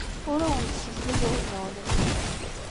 Ur awen-d-ssezlageɣ udmawen-nwen.